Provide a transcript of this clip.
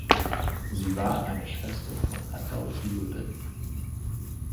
Sie war eine Schwester von Adolphe Lullin.